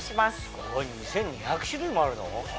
すごい２２００種類もあるの？